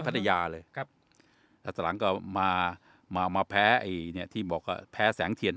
พระนายาเลยครับแล้วต่อหลังก็มามาแพ้ที่บอกแพ้แสงเหียน